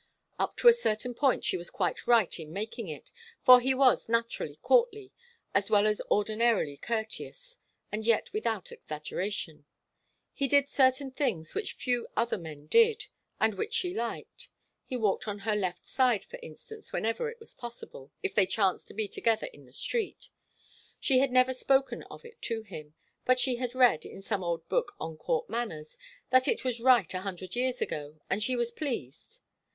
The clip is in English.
Up to a certain point she was quite right in making it, for he was naturally courtly, as well as ordinarily courteous, and yet without exaggeration. He did certain things which few other men did, and which she liked. He walked on her left side, for instance, whenever it was possible, if they chanced to be together in the street. She had never spoken of it to him, but she had read, in some old book on court manners, that it was right a hundred years ago, and she was pleased.